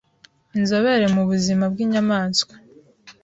Inzobere mu buzima bw’inyamaswa